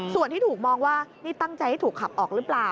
ส่วนที่ถูกมองว่านี่ตั้งใจให้ถูกขับออกหรือเปล่า